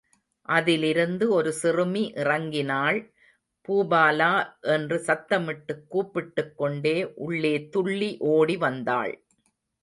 அதிலிருந்து ஒரு சிறுமி இறங்கினாள் பூபாலா என்று சத்தமிட்டுக் கூப்பிட்டுக் கொண்டே உள்ளே துள்ளி ஓடி வந்தாள்.